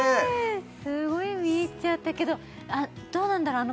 すごい見入っちゃったけどどうなんだろう